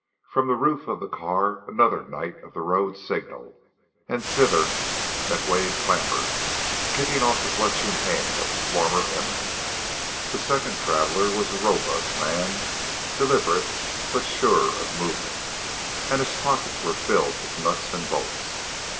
From the roof of the car another knight of the road signaled, and thither McWade clambered, kicking off the clutching hand of his former enemy. The second traveler was a robust man, deliberate but sure of movement, and his pockets were filled with nuts and bolts.